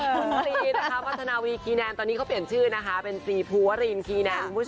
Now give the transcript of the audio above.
คุณซีนะคะมัฒนาวิคีแนนตอนนี้เขาเปลี่ยนชื่อเป็นสีภูวรีนคีน่ะ